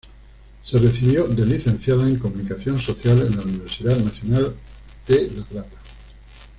Se recibió de licenciada en Comunicación Social en la Universidad Nacional de La Plata.